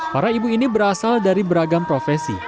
para ibu ini berasal dari beragam profesi